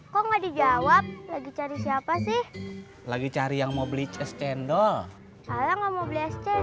kok nggak dijawab lagi cari siapa sih lagi cari yang mau beli cendol